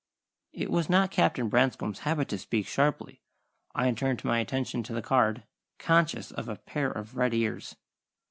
It was not Captain Branscome's habit to speak sharply. I turned my attention to the card, conscious of a pair of red ears.